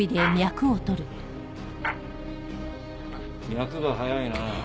脈が速いな。